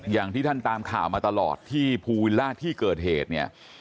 อย่างที่ท่านตามข่าวมาตลอดที่ภูวิลล่าที่เกิดเหตุเนี่ย